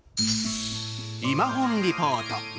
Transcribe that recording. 「いまほんリポート」。